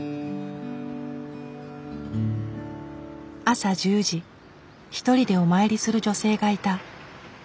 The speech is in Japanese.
朝１０時１人でお参りする女性がいた。